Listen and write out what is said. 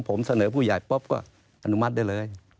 ผมเสนอผู้ใหญ่ปุ๊บก็อนุมัติได้เลย